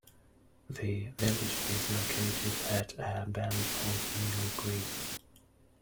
The village is located at a bend of Eagle Creek.